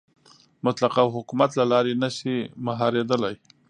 مطلقه حکومت له لارې نه شي مهارېدلی.